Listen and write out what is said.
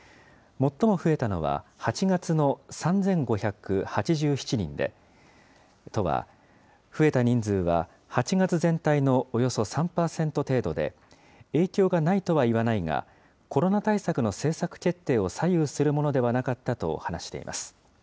最も増えたのは８月の３５８７人で、都は増えた人数は８月全体のおよそ３％程度で、影響がないとは言わないがコロナ対策の政策決定を左右するものではなかったと話しています。